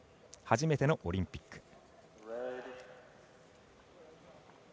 初めてのオリンピック。